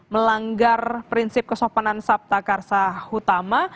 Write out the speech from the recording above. melanggar prinsip kesopanan sabta karsa utama